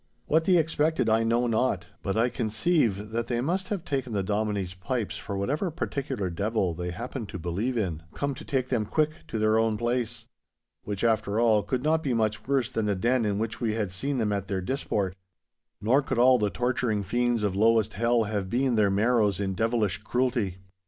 What they expected I know not, but I conceive that they must have taken the Dominie's pipes for whatever particular devil they happened to believe in, come to take them quick to their own place. Which, after all, could not be much worse than the den in which we had seen them at their disport. Nor could all the torturing fiends of lowest hell have been their marrows in devilish cruelty.